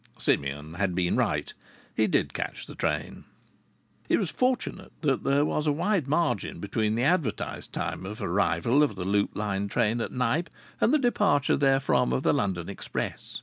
Simeon had been right. He did catch the train. It was fortunate that there was a wide margin between the advertised time of arrival of the Loop Line train at Knype and the departure therefrom of the London express.